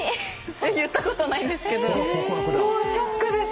言ったことないんですけどもうショックでショックで。